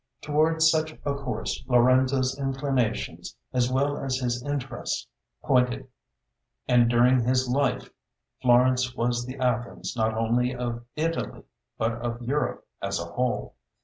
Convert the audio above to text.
Toward such a course Lorenzo's inclinations, as well as his interests, pointed, and during his life Florence was the Athens not only of Italy but of Europe as a whole.